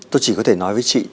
tôi chỉ có thể nói với chị